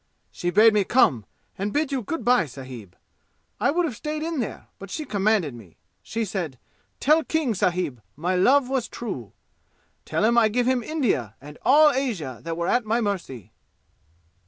She bade me come and bid you good by, sahib. I would have stayed in there, but she commanded me. She said, 'Tell King sahib my love was true. Tell him I give him India and all Asia that were at my mercy!'"